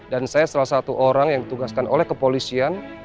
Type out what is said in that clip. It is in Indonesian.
dan saya salah satu orang yang ditugaskan oleh kepolisian